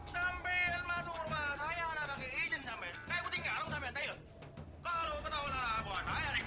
sampai jumpa di video selanjutnya